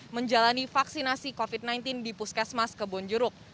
menjalani vaksinasi covid sembilan belas di puskesmas kebonjeruk